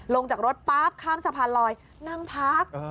ลงจากรถป๊าบข้ามสะพันธุ์ร้อยนั่งพัก